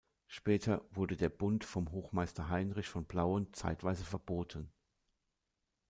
Später wurde der Bund vom Hochmeister Heinrich von Plauen zeitweise verboten.